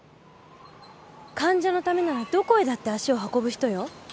患者のためならどこへだって足を運ぶ人よ。